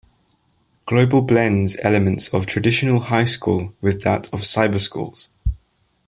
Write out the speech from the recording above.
Global blends elements of traditional high school with that of cyber schools.